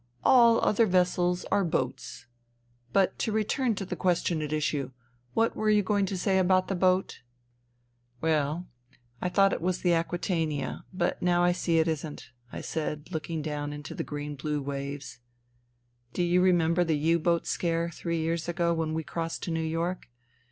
" All other vessels are boats. ... But to return to the question at issue, what were you going to say about the boat ?"" Well, I thought it was the Aquitania, but now I see it isn't," I said, looking down into the green blue waves. " Do you remember the U boat scare three years ago when we crossed to New York?